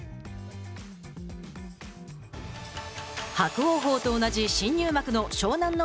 伯桜鵬と同じ新入幕の湘南乃